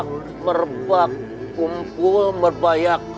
kepala kumpulan berbayang